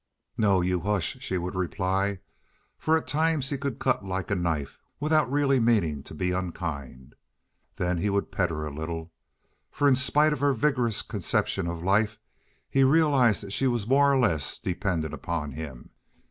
"No; you hush," she would reply, for at times he could cut like a knife without really meaning to be unkind. Then he would pet her a little, for, in spite of her vigorous conception of life, he realized that she was more or less dependent upon him.